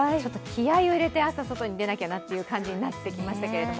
気合いを入れて、朝外に出なきゃという感じになってきましたけど。